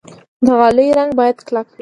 د غالۍ رنګ باید کلک وي.